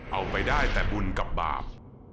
เอาไปได้แต่บุญกับบาป